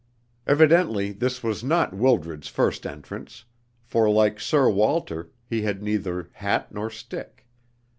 Evidently this was not Wildred's first entrance, for like Sir Walter, he had neither hat nor stick.